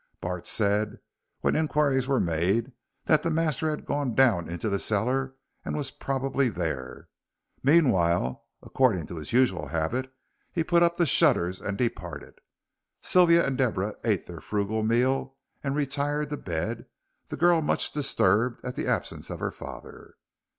Bart said, when inquiries were made, that the master had gone down into the cellar and was probably there. Meanwhile, according to his usual habit, he put up the shutters and departed. Sylvia and Deborah ate their frugal meal and retired to bed, the girl much disturbed at the absence of her father.